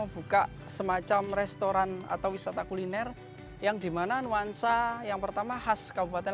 buka semacam restoran atau wisata kuliner yang dimana nuansa yang pertama khas kabupaten